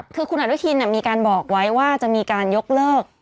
คือคุณอนุทินมีการบอกไว้ว่าจะมีการยกเลิก